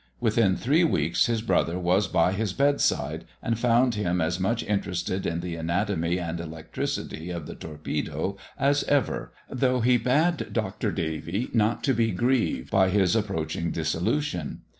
Within three weeks, his brother was by his bedside, and found him as much interested in the anatomy and electricity of the torpedo as ever, though he bade Dr. Davy "not to be grieved" by his approaching dissolution.